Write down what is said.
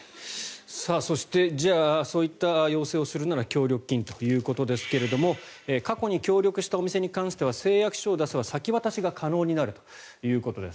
そしてそういった要請をするなら協力金ということですが過去に協力したお店に関しては誓約書を出せば先渡しが可能になるということです。